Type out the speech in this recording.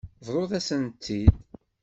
Bḍut-asent-tent-id.